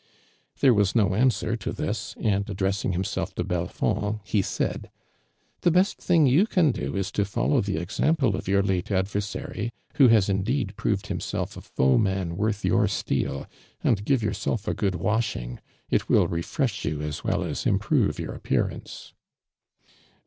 There was no answer to this, and address ing himself to Relfond, he said : •'The best thing yoii can do is to follow the example of your late adversary, who has indeed proved himself a foeman worth your steel, and give yourself a good washing. It will refresli j'ou as well as improve your ajipearancc."